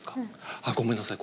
あっごめんなさい。